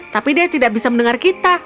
tapi dia tidak bisa mendengar kita